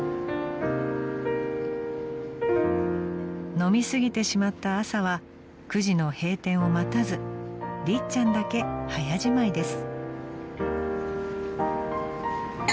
［飲み過ぎてしまった朝は９時の閉店を待たずりっちゃんだけ早じまいです］